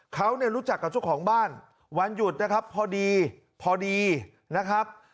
เขาเนี่ยรู้จักกับเจ้าของบ้านวันหยุดนะครับพอดีพอดีนะครับ